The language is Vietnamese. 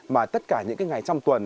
mà tất cả những ngày trong tuần